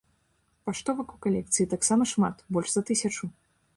Паштовак у калекцыі таксама шмат, больш за тысячу.